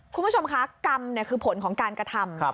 คุณผู้ชมคะกรรมคือผลของการกระทำ